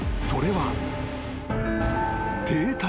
それは］